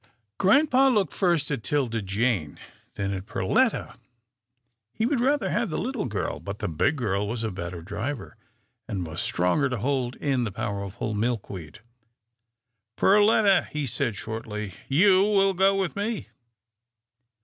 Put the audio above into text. Grampa looked first at 'Tilda Jane, then at Per letta. He would rather have the little girl, but the big girl was a better driver, and was stronger to hold in the powerful Milkweed. " Perletta," he said shortly. " you will go with me.